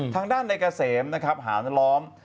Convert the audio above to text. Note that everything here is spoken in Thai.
ทางด้านในเกษมนะครับหานล้อม